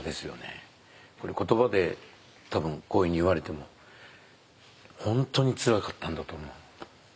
言葉で多分こういうふうに言われても本当につらかったんだと思う。